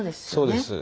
そうです。